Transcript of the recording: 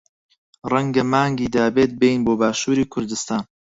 ڕەنگە مانگی دابێت بێین بۆ باشووری کوردستان.